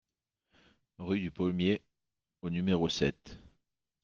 Rue du Paulmier au numéro sept